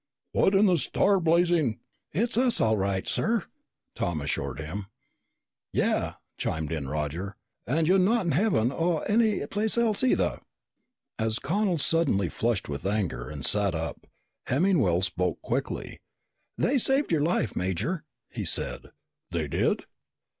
"What in the star blazing ?" "It's us all right, sir!" Tom assured him. "Yeah," chimed in Roger. "And you're not in heaven or er any place else either." As Connel suddenly flushed with anger and sat up, Hemmingwell spoke quickly. "They saved your life, Major," he said. "They did?"